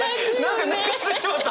何か泣かせてしまった！